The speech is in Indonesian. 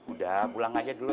udah pulang aja dulu